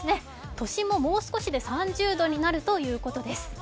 都心ももう少しで３０度になるということです。